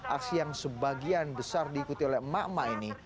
aksi yang sebagian besar diikuti oleh emak emak ini